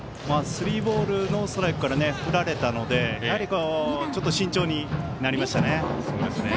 スリーボールノーストライクから振られたのでちょっと慎重になりましたね。